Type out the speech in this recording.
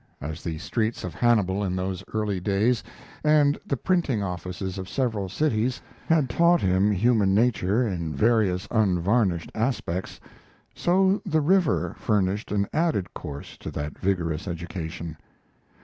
As the streets of Hannibal in those early days, and the printing offices of several cities, had taught him human nature in various unvarnished aspects, so the river furnished an added course to that vigorous education.